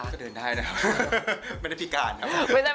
ก็เดินได้นะครับไม่ได้พิการครับ